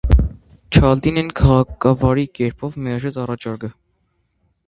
Չալդինին քաղաքավարի կերպով մերժեց առաջարկը։